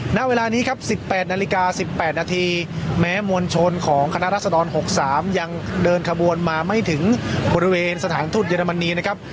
ณเวลานี้ครับ๑๘นาฬิกา๑๘นาทีแม้มวลชนของคณะรัศดร๖๓ยังเดินขบวนมาไม่ถึงบริเวณสถานทูตเยอรมนีนะครับ